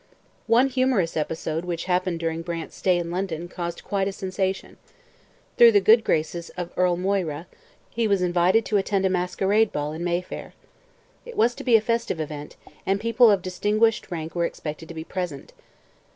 One humorous episode which happened during Brant's stay in London caused quite a sensation. Through the good graces of Earl Moira, he was invited to attend a masquerade ball in Mayfair. It was to be a festive event, and people of distinguished rank were expected to be present.